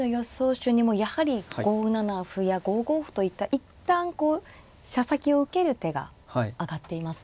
手にもやはり５七歩や５五歩といった一旦こう飛車先を受ける手が挙がっていますね。